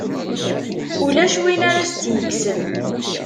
Ulac win ara s-tt-yekksen.